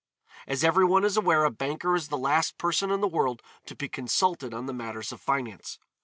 As every one is aware a banker is the last person in the world to be consulted on matters of finance.